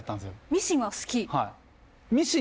ミシンは好き。